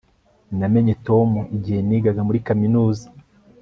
namenye tom igihe nigaga muri kaminuza